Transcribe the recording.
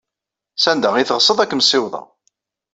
Sanda ay teɣsed ad kem-ssiwḍeɣ.